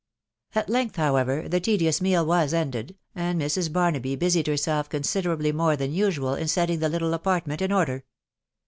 " At length, however, the tedious meal was ended, and Mrs. Barnaby busied herself considerably more than usual in set ting the little apartment in order.